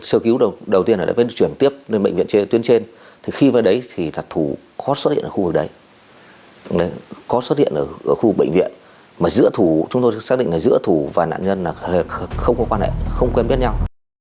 sơ cứu đầu tiên là chuyển tiếp đến bệnh viện tuyến trên thì khi vào đấy thì thủ có xuất hiện ở khu bệnh viện mà giữa thủ chúng tôi xác định là giữa thủ và nạn nhân là không có quan hệ không quen biết nhau